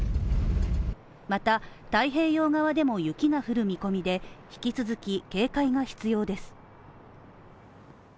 また、太平洋側でも雪が降る見込みで、引き続き警戒が必要です。